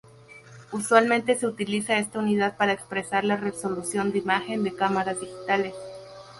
Usualmente se utiliza esta unidad para expresar la resolución de imagen de cámaras digitales.